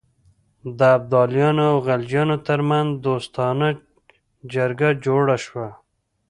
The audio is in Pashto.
د ابدالیانو او غلجیانو ترمنځ دوستانه جرګه جوړه شوه.